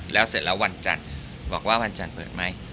แล้วเสร็จแล้ววันจันทร์บอกว่าวันจันทร์เปิดไหม